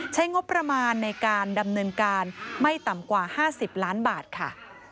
ใช้งบประมาณในการดำเนินการไม่ต่ำกว่า๕๐ล้านบาทค่ะ